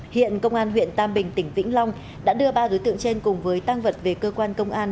hiện công an huyện tam bình tỉnh vĩnh long đã đưa ba đối tượng trên cùng với tăng vật về cơ quan công an